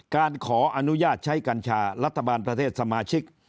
การขออนุญาตใช้กัญชารัฐบาลประเทศสมาชิก